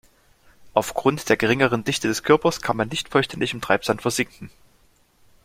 Aufgrund der geringeren Dichte des Körpers kann man nicht vollständig im Treibsand versinken.